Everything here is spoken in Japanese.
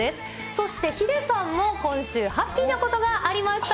そしてヒデさんも今週、ハッピーなことがありました。